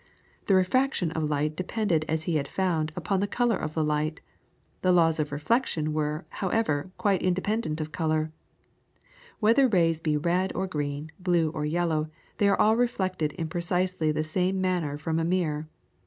The REFRACTION of light depended as he had found, upon the colour of the light. The laws of REFLECTION were, however, quite independent of the colour. Whether rays be red or green, blue or yellow, they are all reflected in precisely the same manner from a mirror.